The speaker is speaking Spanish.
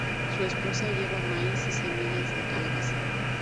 Su esposa lleva maíz y semillas de calabaza.